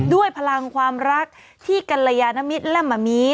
พลังความรักที่กัลยานมิตรและมะมี